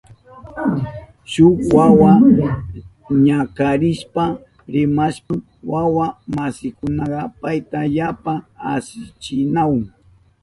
Shuk wawa ñakarishpa rimashpan wawa masinkuna payta yapa asichinahun.